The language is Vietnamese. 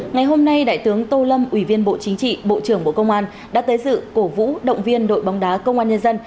ngày hôm nay đại tướng tô lâm ủy viên bộ chính trị bộ trưởng bộ công an đã tới dự cổ vũ động viên đội bóng đá công an nhân dân